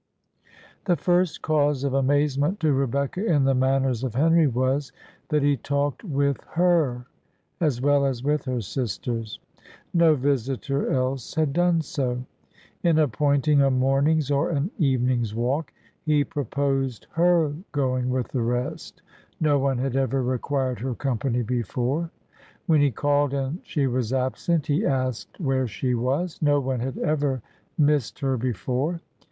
The first cause of amazement to Rebecca in the manners of Henry was, that he talked with her as well as with her sisters; no visitor else had done so. In appointing a morning's or an evening's walk, he proposed her going with the rest; no one had ever required her company before. When he called and she was absent, he asked where she was; no one had ever missed her before.